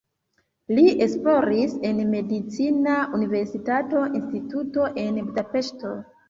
Li esploris en medicina universitata instituto en Budapeŝto.